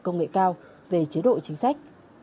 công nghệ cao về chế độ chính sách